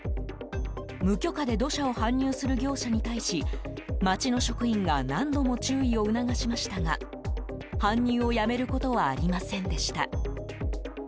無許可で土砂を搬入する業者に対し町の職員が何度も注意を促しましたが搬入をやめることはありませんでした。